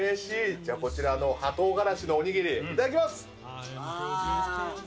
じゃあこちらの葉トウガラシのお握り、いただきます！